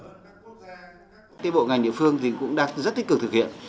các bộ ngành địa phương cũng đang rất tích cực thực hiện